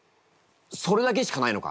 それだけしかないのか！？